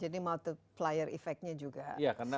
jadi multiplier effectnya juga semakin besar